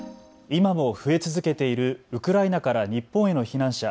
今も増え続けているウクライナから日本への避難者